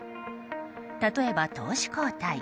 例えば、投手交代。